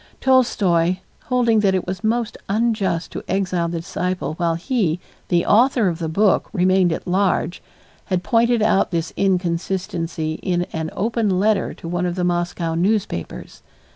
Tolstoy, holding that it was most unjust to exile the disciple while he, the author of the book, remained at large, had pointed out this inconsistency in an open letter to one of the Moscow newspapers.